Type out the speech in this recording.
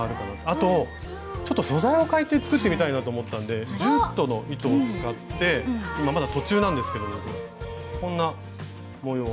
あとちょっと素材をかえて作ってみたいなと思ったんでジュートの糸を使って今まだ途中なんですけどこんな模様。